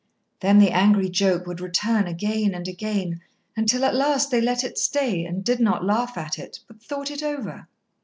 Then the angry joke would return again and again, until at last they let it stay and did not laugh at it, but thought it over.